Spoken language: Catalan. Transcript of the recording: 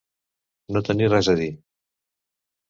No tenir res a dir.